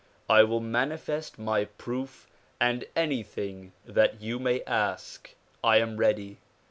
I will manifest my proof and anything that you may ask. I am ready.